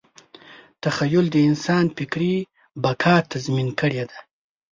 تخیل د انسان فکري بقا تضمین کړې ده.